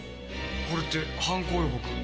これって犯行予告？